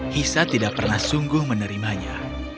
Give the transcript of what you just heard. hisa tidak pernah sungguh menerimanya